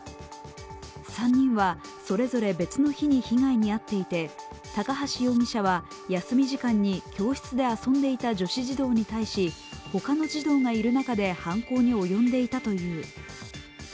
３人はそれぞれ別の日に被害に遭っていて高橋容疑者は休み時間に教室で遊んでいた女子児童に対し、他の児童がいる中で犯行に及んでいたという。